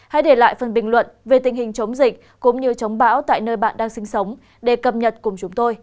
hãy để lại phần bình luận về tình hình chống dịch cũng như chống bão tại nơi bạn đang sinh sống để cập nhật cùng chúng tôi